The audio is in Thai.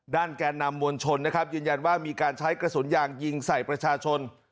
แกนนำมวลชนนะครับยืนยันว่ามีการใช้กระสุนยางยิงใส่ประชาชน